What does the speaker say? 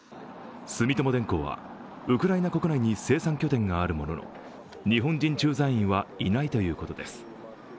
住友電工はウクライナ国内に生産拠点があるものの日本人駐在員はいないということです。